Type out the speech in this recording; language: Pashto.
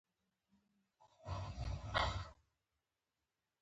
اوس ئې قدر وکړئ! له مرګ وروسته ګټه نه لري.